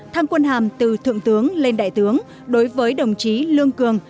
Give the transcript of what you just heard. thăng quân hàm từ thượng tướng lên đại tướng đối với đồng chí lương cường